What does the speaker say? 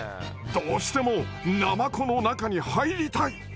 どうしてもナマコの中に入りたい！